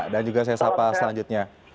dan juga saya sapa selanjutnya